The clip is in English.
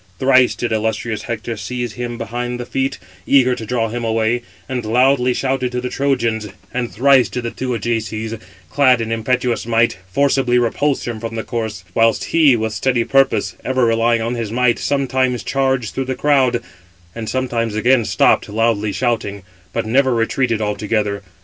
Thrice did illustrious Hector seize him behind by the feet, eager to draw him away, and loudly shouted to the Trojans; and thrice did the two Ajaces, clad in impetuous might, forcibly repulse him from the corse; whilst he, with steady purpose, ever relying on his might, sometimes charged through the crowd, and sometimes again stopped, loudly shouting; but never retreated altogether.